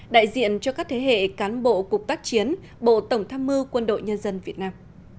đại diện cho các thế hệ cán bộ cục tác chiến bộ tổng tham mưu quân đội nhân dân việt nam